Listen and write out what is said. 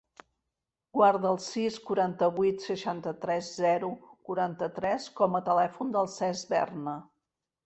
Guarda el sis, quaranta-vuit, seixanta-tres, zero, quaranta-tres com a telèfon del Cesc Berna.